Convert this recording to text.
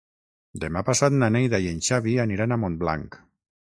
Demà passat na Neida i en Xavi iran a Montblanc.